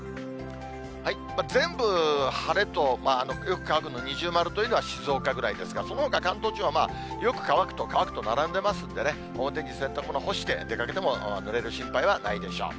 全部晴れと、よく乾くの二重丸というのは静岡ぐらいですが、そのほか関東地方は、よく乾くと乾くと並んでますんでね、表に洗濯物干して出かけてもぬれる心配はないでしょう。